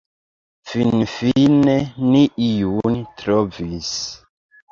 Finfine ni iun trovis.